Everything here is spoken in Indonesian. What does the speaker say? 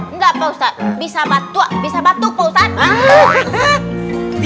enggak pak ustadz bisa batuk pak ustadz